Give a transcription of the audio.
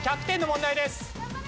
１００点の問題です。